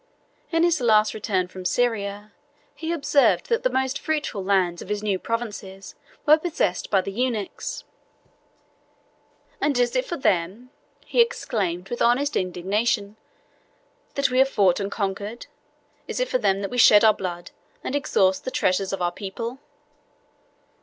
In his last return from Syria, he observed that the most fruitful lands of his new provinces were possessed by the eunuchs. "And is it for them," he exclaimed, with honest indignation, "that we have fought and conquered? Is it for them that we shed our blood, and exhaust the treasures of our people?"